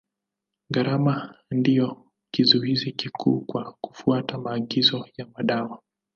Gharama ndio kizuizi kikuu kwa kufuata maagizo ya madawa.